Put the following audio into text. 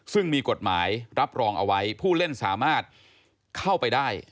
ซึ่งมีกฎหมายรับรองเอาไว้ผู้เล่นสามารถเข้าไปได้